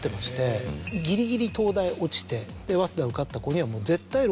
ギリギリ東大落ちて早稲田受かった子には。